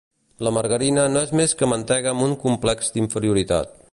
La margarina no és més que mantega amb un complex d'inferioritat.